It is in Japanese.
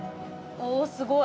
おぉすごい。